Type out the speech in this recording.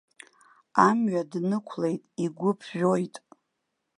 Амҩа днықәлеит, игәы ԥжәоит.